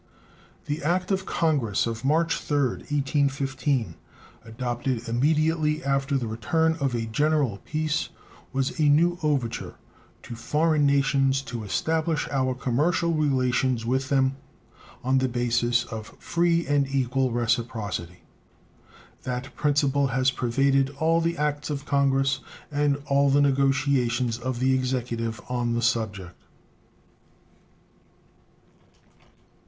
The act of Congress of March 3rd, 1815, adopted immediately after the return of a general peace, was a new overture to foreign nations to establish our commercial relations with them on the basis of free and equal reciprocity. That principle has pervaded all the acts of Congress and all the negotiations of the Executive on the subject.